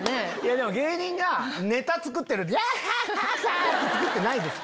でも芸人がネタ作ってる時ギャハハ！って作ってないです。